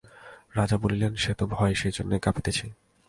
রাজা বলিলেন, সেই তো ভয়, সেইজন্যই কাঁপিতেছি।